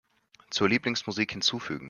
Zur Lieblingsmusik hinzufügen.